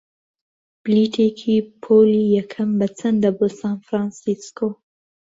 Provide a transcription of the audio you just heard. بلیتێکی پۆلی یەکەم بەچەندە بۆ سان فرانسیسکۆ؟